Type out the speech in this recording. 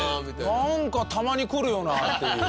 「なんかたまにくるよな」っていう。